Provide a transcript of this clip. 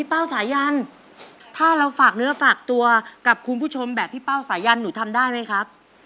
เพลงกายจาแต่ทุกคนถึงฝากตัวกับผู้ชมแบบพี่เป้าสายันหนูทำได้มั้ยครับ